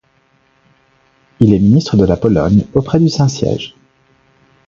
Il est ministre de la Pologne auprès du Saint-Siège.